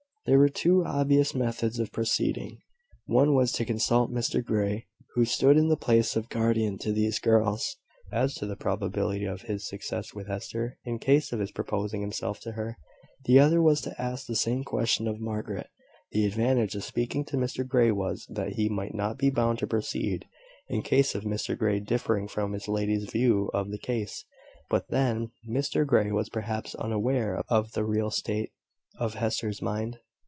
There were two obvious methods of proceeding. One was to consult Mr Grey, who stood in the place of guardian to these girls, as to the probability of his success with Hester, in case of his proposing himself to her. The other was to ask the same question of Margaret. The advantage of speaking to Mr Grey was, that he might not be bound to proceed, in case of Mr Grey differing from his lady's view of the case; but then, Mr Grey was perhaps unaware of the real state of Hester's mind.